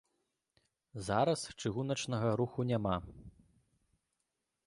Зараз чыгуначнага руху няма.